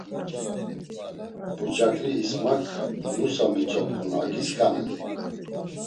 Bucakli İsmak nusa mitzopxus aǩisǩanes.